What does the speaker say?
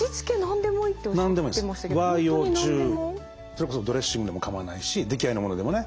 それこそドレッシングでも構わないし出来合いのものでもね。